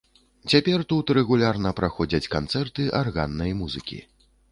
Цяпер тут рэгулярна праходзяць канцэрты арганнай музыкі.